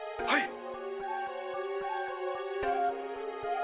はい！